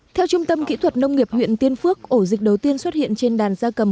theo trung tâm kỹ thuật nông nghiệp huyện tiên phước ổ dịch đầu tiên xuất hiện trên đàn da cầm